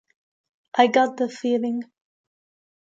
I Got the Feeling